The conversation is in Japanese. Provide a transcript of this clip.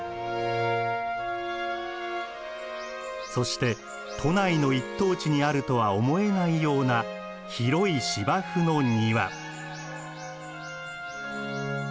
そして都内の一等地にあるとは思えないような広い芝生の庭。